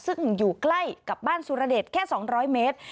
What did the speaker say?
ซึ่งอยู่ใกล้กับบ้านสุรเดชแค่๒๐๐เมตร